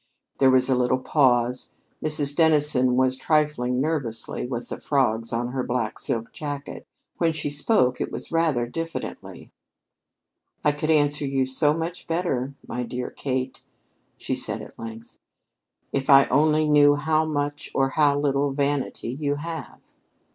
There was a little pause. Mrs. Dennison was trifling nervously with the frogs on her black silk jacket. When she spoke, it was rather diffidently. "I could answer you so much better, my dear Kate," she said at length, "if I only knew how much or how little vanity you have."